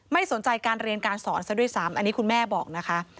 ไม่สนใจการเรียนการสอนซะด้วยซ้ำอันนี้คุณแม่บอกนะคะ